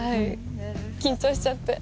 緊張しちゃって。